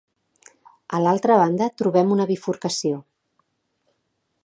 A l'altra banda trobem una bifurcació.